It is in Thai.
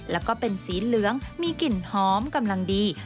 แล้วก็เป็นสีเหลืองมีกลิ่นหอมกำลังดี